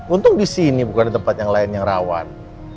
untung di sini bukan di tempat yang lain yang rawan